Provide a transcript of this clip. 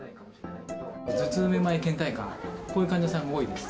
頭痛、めまい、けん怠感、こういう患者さんが多いです。